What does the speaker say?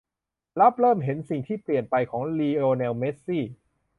รับ เริ่มเห็นสิ่งที่เปลี่ยนไปของ ลิโอเนล เมสซี่